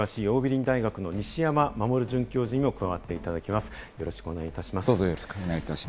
企業リスク管理に詳しい桜美林大学の西山守准教授にも加わっていただきます。